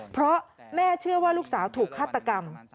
เพราะแม่เชื่อว่าลูกสาวถูกฆาตกรรม